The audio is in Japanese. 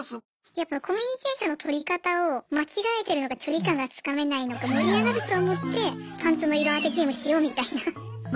やっぱコミュニケーションの取り方を間違えてるのか距離感がつかめないのか盛り上がると思ってパンツの色当てゲームしようみたいな。